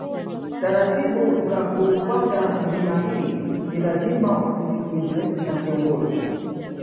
Taratibu za kuupanda milima hii ni lazima usindikizwe na kiongozi